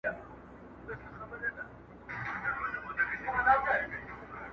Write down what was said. شپه ده د بوډیو په سینګار اعتبار مه کوه!!